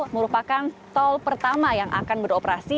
merupakan tol pertama yang akan beroperasi